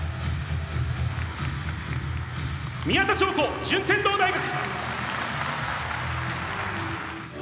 「宮田笙子順天堂大学」。